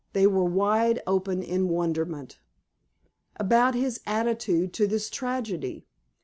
They were wide open in wonderment. "About his attitude to this tragedy.